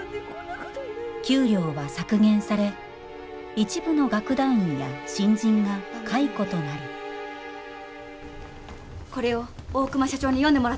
給料は削減され一部の楽団員や新人が解雇となりこれを大熊社長に読んでもらってください。